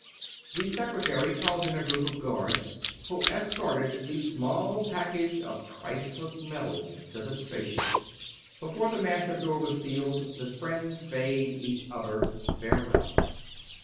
The Secretary called in a group of guards, who escorted the small package of priceless metal to the space ship. Before the massive door was sealed the friends bade each other farewell.